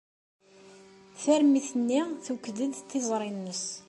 Tarmit-nni twekked-d tiẓri-nnes.